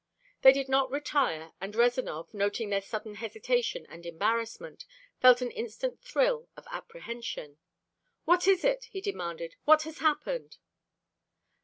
They did not retire, and Rezanov, noting their sudden hesitation and embarrassment, felt an instant thrill of apprehension. "What is it?" he demanded. "What has happened?"